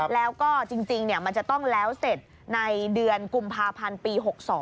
แล้วก็จริงมันจะต้องแล้วเสร็จในเดือนกุมภาพันธ์ปี๖๒